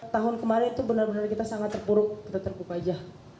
tahun kemarin itu benar benar kita sangat terpuruk kita terpuka aja